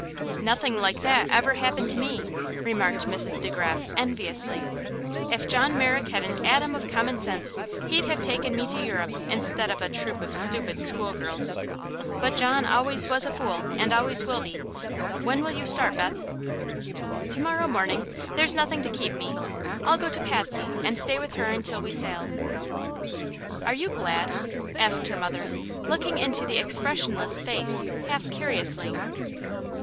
"Nothing like that ever happened to me," remarked Mrs. De Graf, enviously. "If John Merrick had an atom of common sense he'd have taken me to Europe instead of a troop of stupid school girls. But John always was a fool, and always will be. When will you start, Beth?" "To morrow morning. There's nothing to keep me. I'll go to Patsy and stay with her until we sail." "Are you glad?" asked her mother, looking into the expressionless face half curiously.